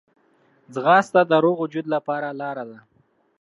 ځغاسته د روغ وجود لپاره لاره ده